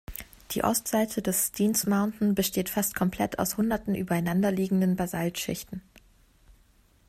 Die Ostseite des Steens Mountain besteht fast komplett aus hunderten übereinanderliegenden Basalt-Schichten.